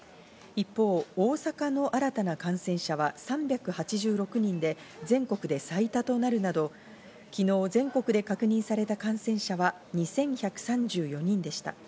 一方、大阪の新たな感染者は３８６人で全国で最多となるなど、昨日全国で確認された感染者は２１３４人でした。